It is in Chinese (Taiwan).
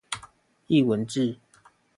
藝文志